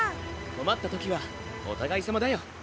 こまったときはおたがいさまだよ。